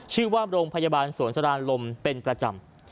ชื่อว่าโรงพยาบาลสวนสรานลมเป็นประจำ